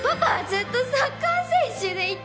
ずっとサッカー選手がいい